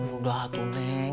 udah lah tuh neng